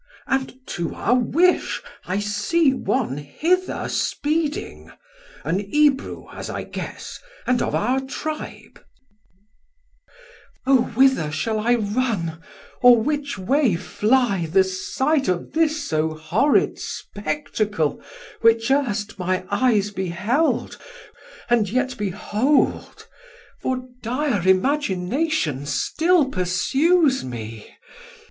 And to our wish I see one hither speeding, An Ebrew, as I guess, and of our Tribe. 1540 Mess: O whither shall I run, or which way flie The sight of this so horrid spectacle Which earst my eyes beheld and yet behold; For dire imagination still persues me.